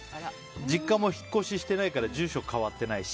実家も引っ越ししてないから住所変わってないし。